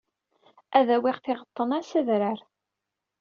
Ad awyeɣ tiɣeḍḍen-a s adrar.